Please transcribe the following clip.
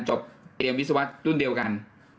จบเรียนวิศวะรุ่นเดียวกัน